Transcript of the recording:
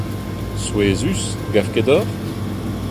Souezhus, 'gav ket deoc'h ?